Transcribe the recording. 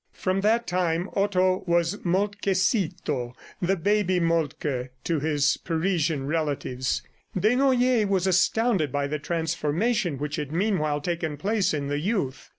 From that time, Otto was Moltkecito (the baby Moltke) to his Parisian relatives. Desnoyers was astounded by the transformation which had meanwhile taken place in the youth.